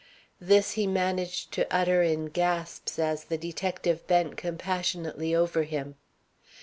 This he managed to utter in gasps as the detective bent compassionately over him.